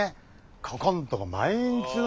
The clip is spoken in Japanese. ここんとこ毎日の。